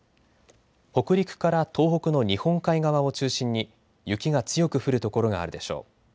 北陸から東北の日本海側を中心に雪が強く降る所があるでしょう。